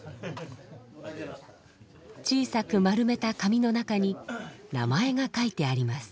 小さく丸めた紙の中に名前が書いてあります。